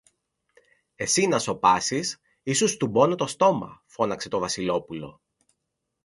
Εσύ να σωπάσεις ή σου στουμπώνω το στόμα, φώναξε το Βασιλόπουλο.